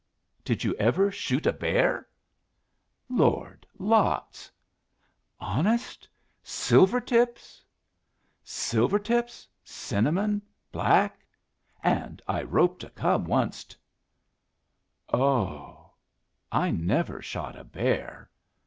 Did you ever shoot a bear?" "Lord! lots." "Honest? Silver tips?" "Silver tips, cinnamon, black; and I roped a cub onced." "O h! I never shot a bear."